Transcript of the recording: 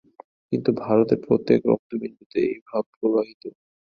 কিন্তু ভারতের প্রত্যেক রক্তবিন্দুতে এই ভাব প্রবাহিত।